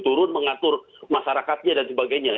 turun mengatur masyarakatnya dan sebagainya